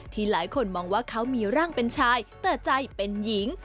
หลายคนมองว่าเขามีร่างเป็นชายแต่ใจเป็นหญิง